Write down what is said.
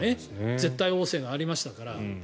絶対王政がありましたから。